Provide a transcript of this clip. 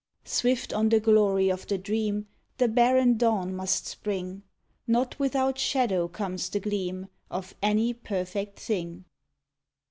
Swift on the glory of the dream The barren dawn must spring; Not without shadow comes the gleam Of any perfect thing.